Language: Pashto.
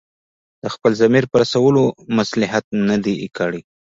د خپل ضمیر په رسولو مصلحت نه دی کړی.